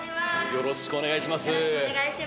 よろしくお願いします。